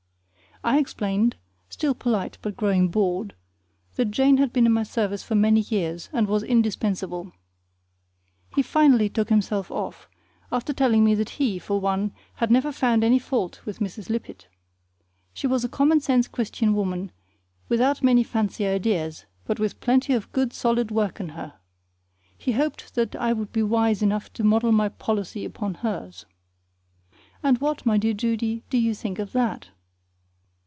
I explained still polite, but growing bored that Jane had been in my service for many years, and was indispensable. He finally took himself off, after telling me that he, for one, had never found any fault with Mrs. Lippett. She was a common sense Christian woman, without many fancy ideas, but with plenty of good solid work in her. He hoped that I would be wise enough to model my policy upon hers! And what, my dear Judy, do you think of that?